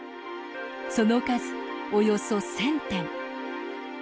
その数、およそ１０００点。